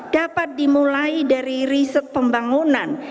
dapat dimulai dari riset pembangunan